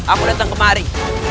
aku datang kemari